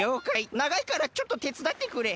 ながいからちょっとてつだってくれ。